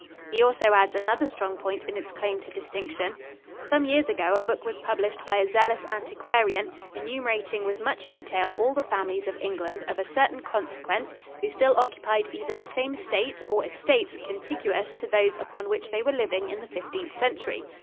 He also adds another strong point in its claim to distinction: "Some years ago a book was published by a zealous antiquarian, enumerating with much detail all the families of England of a certain consequence who still occupied either the same estate or estates contiguous to those upon which they were living in the Fifteenth Century.